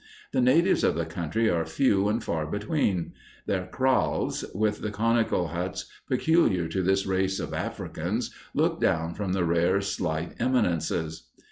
The natives of the country are few and far between; their kraals, with the conical huts peculiar to this race of Africans, look down from the rare, slight eminences.